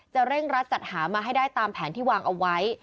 เร่งรัดจัดหามาให้ได้ตามแผนที่วางเอาไว้